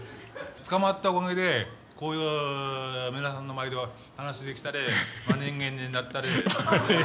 捕まったおかげでこういう皆さんの前で話できたり真人間になったり。